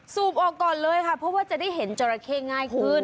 ออกก่อนเลยค่ะเพราะว่าจะได้เห็นจราเข้ง่ายขึ้น